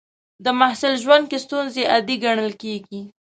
د محصل ژوند کې ستونزې عادي ګڼل کېږي.